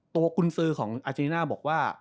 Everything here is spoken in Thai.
ตัวคุณซื้อของอาจารย์น่าบอกว่า